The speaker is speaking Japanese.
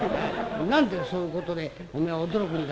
何でそういうことでおめえは驚くんだ？」。